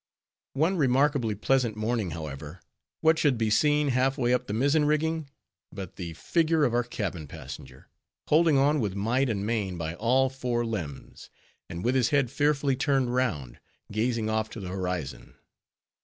One remarkably pleasant morning, however, what should be seen, half way up the mizzen rigging, but the figure of our cabin passenger, holding on with might and main by all four limbs, and with his head fearfully turned round, gazing off to the horizon.